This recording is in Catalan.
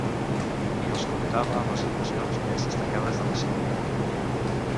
I els contava les impressions més destacades de la seua vida.